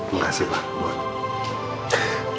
makasih pak buat